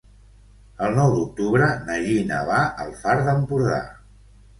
El nou d'octubre na Gina va al Far d'Empordà.